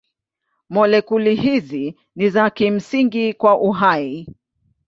Molekuli hizi ni za kimsingi kwa uhai.